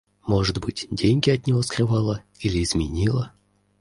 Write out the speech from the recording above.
Может быть, деньги от него скрывала или изменила